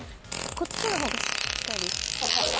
こっちの方がしっかりしてる？